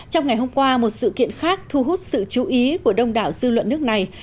trong ngày hôm qua một sự kiện khác thu hút sự chú ý của đông đảo dư luận nước này